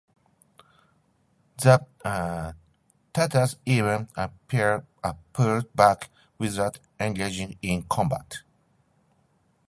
The Tatars even pulled back without engaging in combat.